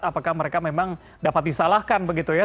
apakah mereka memang dapat disalahkan begitu ya